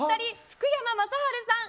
福山雅治さん